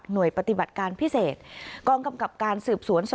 กรุ่งกำลังสนุนจากกรุ่งกำลังสนุนจาก